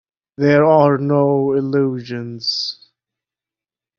There are no illusions.